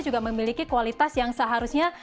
juga memiliki kualitas yang seharusnya